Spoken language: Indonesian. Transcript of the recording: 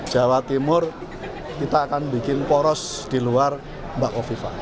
jawa timur kita akan bikin poros di luar mbak kofifa